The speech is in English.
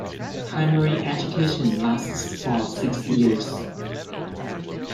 Primary education lasts for six years.